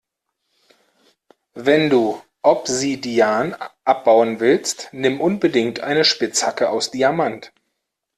Wenn du Obsidian abbauen willst, nimm unbedingt eine Spitzhacke aus Diamant.